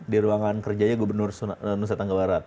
di ruangan kerjanya gubernur nusa tenggara barat